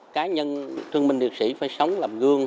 cá nhân thương minh liệt sĩ phải sống làm gương